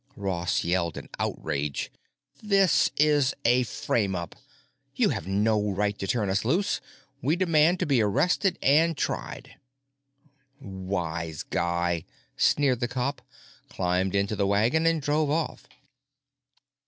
Ross yelled in outrage, "This is a frame up! You have no right to turn us loose. We demand to be arrested and tried!" "Wise guy," sneered the cop, climbed into the wagon and drove off.